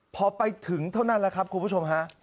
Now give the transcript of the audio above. พอไปถึงเท่านั้นแหละครับคุณผู้ชมฮะ